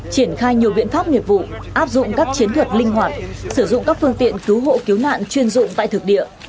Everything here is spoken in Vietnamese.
triển khai nhiều biện pháp nghiệp vụ áp dụng các chiến thuật linh hoạt sử dụng các phương tiện cứu hộ cứu nạn chuyên dụng tại thực địa